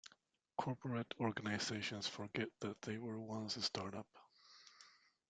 Corporate organizations forget that they were once a startup.